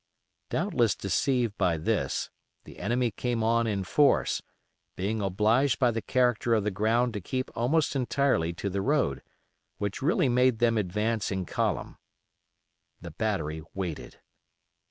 Doubtless deceived by this, the enemy came on in force, being obliged by the character of the ground to keep almost entirely to the road, which really made them advance in column. The battery waited.